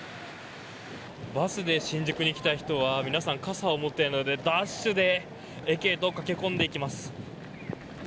バスで新宿に来た人は皆さん傘を持っていないのでダッシュで駅へと駆け込んでいきます。